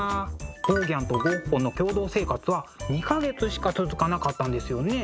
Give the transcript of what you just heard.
ゴーギャンとゴッホの共同生活は２か月しか続かなかったんですよね。